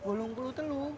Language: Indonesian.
bolong pulut telur